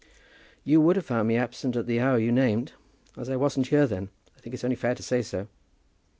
"You would have found me absent at the hour you named. As I wasn't here then, I think it's only fair to say so."